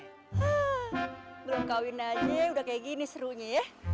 hmm belum kawin aja udah kayak gini serunya ya